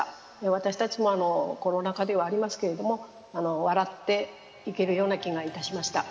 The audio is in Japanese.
私たちも、コロナ禍ではありますけれども、笑っていけるような気がいたしました。